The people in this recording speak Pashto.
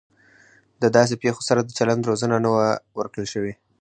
د داسې پیښو سره د چلند روزنه نه وه ورکړل شوې